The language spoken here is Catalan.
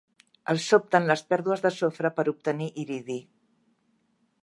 Els sobten les pèrdues de sofre per obtenir iridi.